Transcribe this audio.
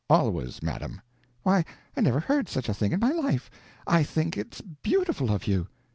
"Always, madam." "Why, I never heard such a thing in my life! I think it's beautiful of you."